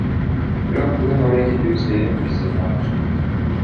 Бирок бүгүн мамлекетибизде президент алмашып жатат.